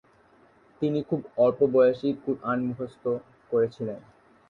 তিনি খুব অল্প বয়সেই কুরআন মুখস্থ করেছিলেন।